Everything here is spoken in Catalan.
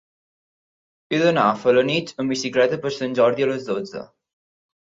He d'anar a Felanitx amb bicicleta per Sant Jordi a les dotze.